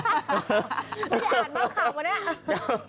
ไม่ใช่อ่านบ้างครับวะเนี่ย